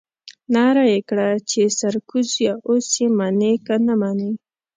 نعره يې کړه چې سرکوزيه اوس يې منې که نه منې.